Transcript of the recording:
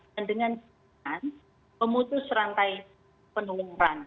dan dengan dengan pemutus rantai penumpang